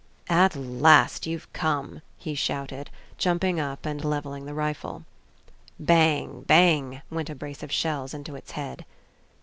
"At last you've come!" he shouted, jumping up and levelling the rifle. Bang, bang! went a brace of shells into its head.